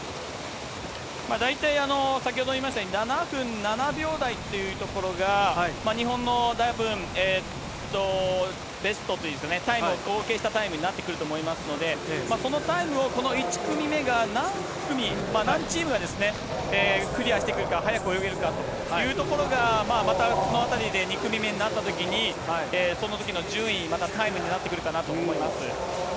大体先ほど言いましたように、７分７秒台というところが、日本のたぶん、ベストいうか、タイムを合計したタイムになってくると思いますので、そのタイムをこの１組目が何組、何チームがクリアしてくるか、速く泳げるかというところが、またそのあたりで２組目になったときに、そのときの順位、タイムになってくるかなと思います。